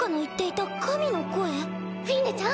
フィーネちゃん。